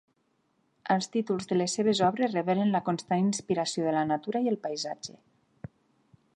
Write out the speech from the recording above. Els títols de les seves obres revelen la constant inspiració de la natura i el paisatge.